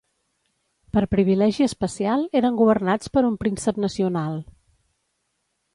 Per privilegi especial eren governats per un príncep nacional.